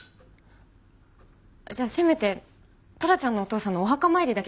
じゃあせめてトラちゃんのお父さんのお墓参りだけでも。